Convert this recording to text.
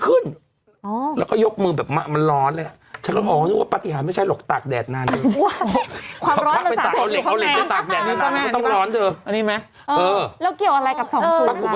ปรากฏว่าฉันก็ไปจุดนึงที่แบบ